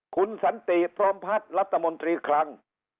คุณสันติพรมพัฒน์รัฐมนตรีคลัง